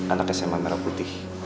anak sma merah putih